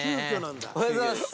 おはようございます。